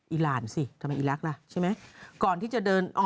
อีหลานสิทำไมอีหลักล่ะใช่ไหม